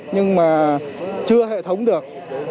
nhưng mà chưa hệ thống được